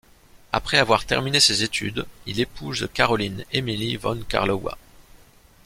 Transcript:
Après avoir terminé ses études, il épouse Karoline Emilie von Karlowa.